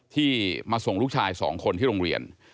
ที่มาส่งลูกชาย๒คนที่โรงเรียน